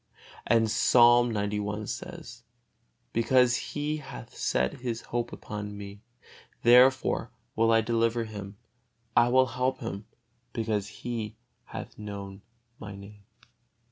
And Psalm xci says, "Because he hath set his hope upon Me, therefore will I deliver him: I will help him, because he hath known My Name."